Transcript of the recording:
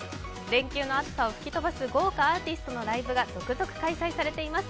連休の暑さを吹き飛ばす豪華アーティストのライブが続々開催されています。